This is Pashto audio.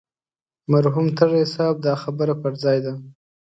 مرحوم تږي صاحب دا خبره پر ځای ده.